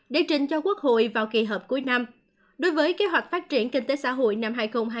để trình cho quốc hội vào kỳ hợp cuối năm đối với kế hoạch phát triển kinh tế xã hội năm hai nghìn hai mươi